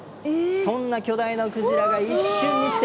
そんな巨大なクジラが一瞬にして。